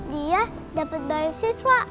dia dapet banyak siswa